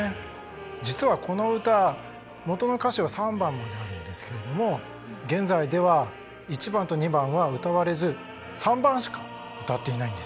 実はこの歌元の歌詞は３番まであるんですけれども現在では１番と２番は歌われず３番しか歌っていないんです。